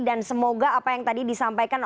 dan semoga apa yang tadi disampaikan